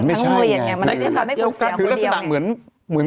ไม่ใช่ไงคือลักษณะเหมือน